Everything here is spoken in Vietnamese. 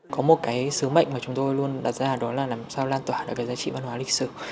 có một cái sứ mệnh mà chúng tôi luôn đặt ra đó là làm sao lan tỏa được cái giá trị văn hóa lịch sử